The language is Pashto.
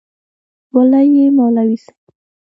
وله یی مولوی صیب